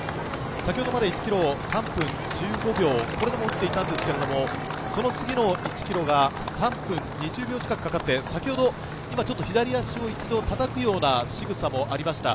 先ほどまで１ｋｍ３分１５秒できていたんですけれども、その次の１ｋｍが３分２０秒近くかかって、先ほど、今左足を一度たたくようなしぐさもありました。